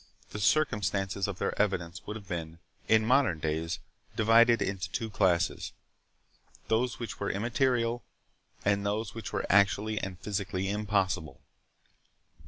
The circumstances of their evidence would have been, in modern days, divided into two classes—those which were immaterial, and those which were actually and physically impossible.